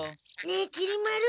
ねえきり丸